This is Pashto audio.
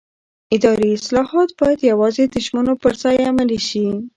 اداري اصلاحات باید یوازې د ژمنو پر ځای عملي شي